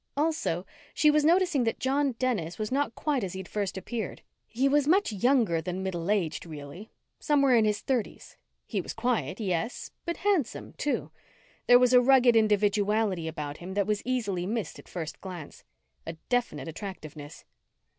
Also, she was noticing that John Dennis was not quite as he'd first appeared. He was much younger than middle aged, really somewhere in his thirties. He was quiet, yes, but handsome, too. There was a rugged individuality about him that was easily missed at first glance. A definite attractiveness.